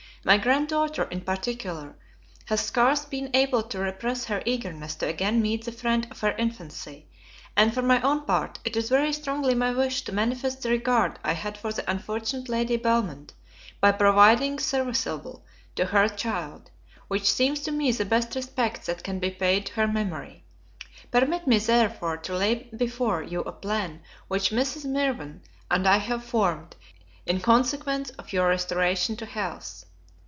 My grand daughter in particular, has scarce been able to repress her eagerness to again meet the friend of her infancy; and for my own part, it is very strongly my wish to manifest the regard I had for the unfortunate Lady Belmont, by proving serviceable to her child; which seems to me the best respect that can be paid to her memory. Permit me, therefore, to lay before you a plan which Mrs. Mirvan and I have formed, in consequence of your restoration to health.